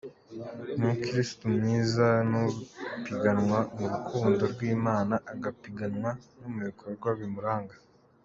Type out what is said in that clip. Umukirisitu mwiza ni upiganwa mu rukundo rw’Imana agapiganwa no mu bikorwa bimuranga”.